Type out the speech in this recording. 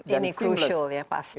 ini crucial ya pasti